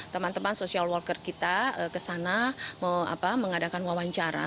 teman teman social worker kita ke sana mengadakan wawancara